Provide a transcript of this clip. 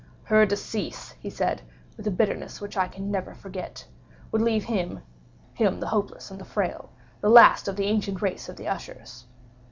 "Her decease," he said, with a bitterness which I can never forget, "would leave him (him the hopeless and the frail) the last of the ancient race of the Ushers."